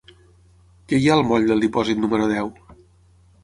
Què hi ha al moll del Dipòsit número deu?